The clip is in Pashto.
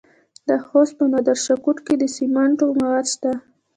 د خوست په نادر شاه کوټ کې د سمنټو مواد شته.